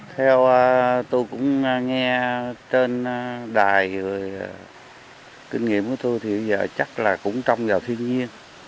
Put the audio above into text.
theo tôi cũng nghe trên đài kinh nghiệm của tôi thì chắc là cũng trong giàu thiên nhiên